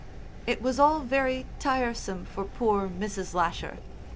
It was all very tiresome for poor Mrs. Lasher.